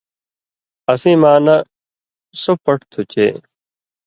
اسیں معنہ سو پَٹ تُھُو چے